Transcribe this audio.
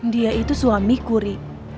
dia itu suamiku ri